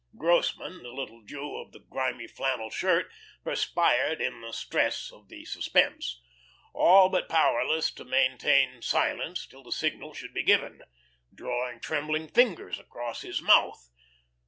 Grossmann, the little Jew of the grimy flannel shirt, perspired in the stress of the suspense, all but powerless to maintain silence till the signal should be given, drawing trembling fingers across his mouth.